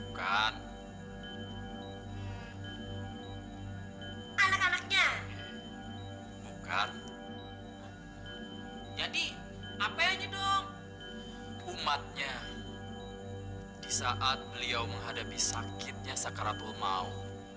anak anaknya bukan jadi apa ini dong umatnya hai di saat beliau menghadapi sakitnya sakaratulmaun